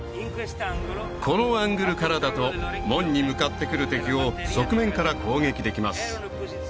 このアングルからだと門に向かってくる敵を側面から攻撃できます